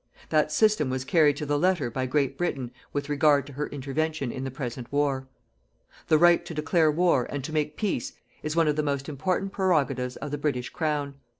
That system was carried to the letter by Great Britain with regard to her intervention in the present war. The right to declare war and to make peace is one of the most important prerogatives of the British Crown.